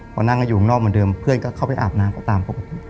พอนั่งกันอยู่ข้างนอกเหมือนเดิมเพื่อนก็เข้าไปอาบน้ำก็ตามปกติ